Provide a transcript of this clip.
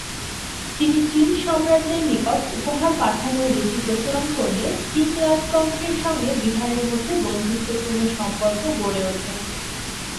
তিনি চীন সম্রাটদের নিকট উপহার পাঠানোর রীতি প্রচলন করলে চিং রাজবংশের সঙ্গে বিহারের মধ্যে বন্ধুত্বপূর্ণ সম্পর্ক গড়ে ওঠে।